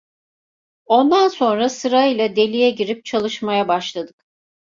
Ondan sonra sıra ile deliğe girip çalışmaya başladık.